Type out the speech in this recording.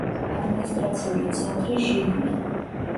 ადმინისტრაციული ცენტრი ჟილინა.